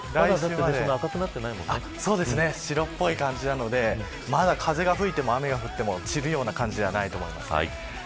まだ白っぽい感じなのでまだ風が吹いても雨が降っても散るような感じではないと思います。